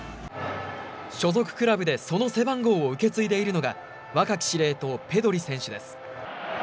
所属クラブでその背番号を受け継いでいるのが若き司令塔、ペドリ選手です。